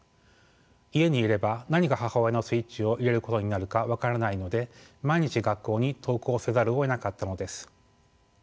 家にいれば何が母親のスイッチを入れることになるか分からないので毎日学校に登校せざるをえなかったのです。